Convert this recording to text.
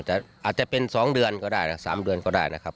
อาจจะเป็นสองเดือนก็ได้นะครับสามเดือนก็ได้นะครับ